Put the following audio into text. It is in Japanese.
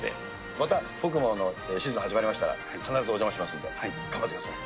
また僕もシーズン始まりましたら、必ずお邪魔しますので、頑張ってください。